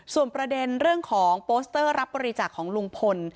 ส่วนประเด็นเรื่องของโปสเตอร์รับบริจาคของลุงพล